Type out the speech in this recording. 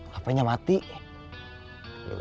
biasanya ada apa apa